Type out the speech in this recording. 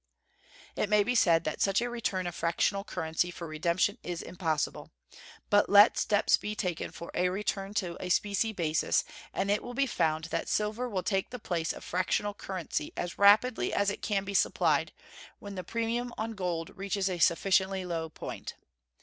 It may be said that such a return of fractional currency for redemption is impossible; but let steps be taken for a return to a specie basis and it will be found that silver will take the place of fractional currency as rapidly as it can be supplied, when the premium on gold reaches a sufficiently low point.